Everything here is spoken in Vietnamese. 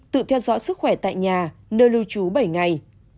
tự theo dõi sức khỏe tại nhà nơi lưu trú bảy ngày